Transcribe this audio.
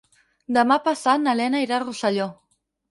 Demà passat na Lena irà a Rosselló.